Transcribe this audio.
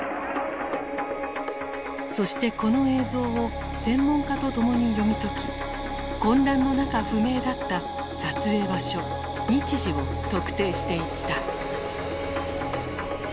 そしてこの映像を専門家と共に読み解き混乱の中不明だった撮影場所日時を特定していった。